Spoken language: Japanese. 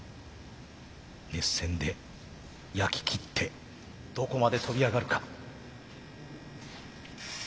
熱線で焼き切ってどこまで跳び上がるか。